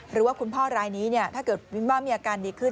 หรือว่าคุณพ่อรายนี้ถ้าเกิดวินว่ามีอาการดีขึ้น